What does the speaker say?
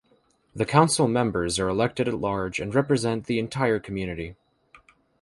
The council members are elected at large and represent the entire community.